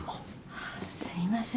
あっすいません。